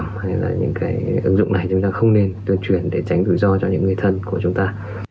sản phẩm hay là những cái ứng dụng này chúng ta không nên đưa chuyển để tránh rủi ro cho những người thân của chúng ta